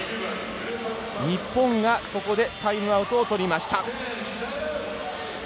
日本がここでタイムアウトをとりました。